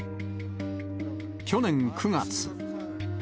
去年９月。